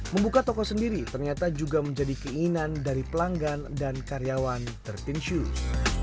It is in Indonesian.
membuka toko sendiri ternyata juga menjadi keinginan dari pelanggan dan karyawan tiga belas shoes